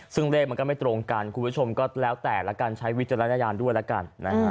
ซึ่งเลขมันก็ไม่ตรงกันคุณผู้ชมก็แล้วแต่ละกันใช้วิจารณญาณด้วยแล้วกันนะฮะ